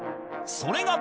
それが